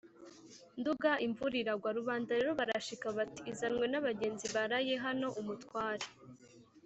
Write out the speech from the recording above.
nduga, imvura iragwa. rubanda rero barashika bati: “izanywe n’abagenzi baraye hano!” umutware